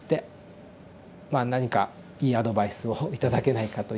まあ何かいいアドバイスを頂けないかというですね